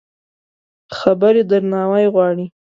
خبرې درناوی غواړي.